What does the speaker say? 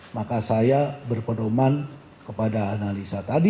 maka saya berpedoman kepada analisa tadi